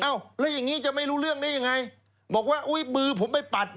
แล้วอย่างนี้จะไม่รู้เรื่องได้ยังไงบอกว่าอุ้ยมือผมไปปัด